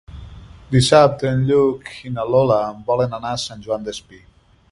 Dissabte en Lluc i na Lola volen anar a Sant Joan Despí.